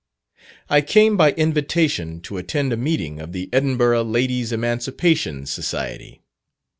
I came by invitation to attend a meeting of the Edinburgh Ladies' Emancipation Society.